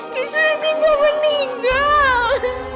keisha ini gak meninggal